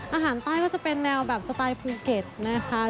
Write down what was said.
อาหารใต้ก็จะเป็นแนวแบบสไตล์ภูเก็ตนะคะ